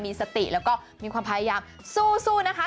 มีสติแล้วก็มีความพยายามสู้นะคะ